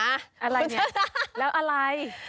อะไรเนี่ยแล้วอะไร